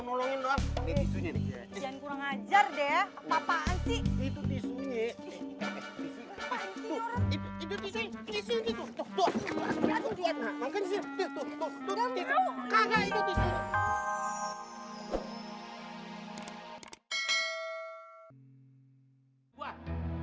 nolongin dong ini jangan kurang ajar deh apaan sih itu tisunya itu itu itu itu itu itu itu